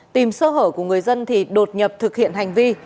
tìm sơ hở của người dân thì đột nhập thực hiện hành vi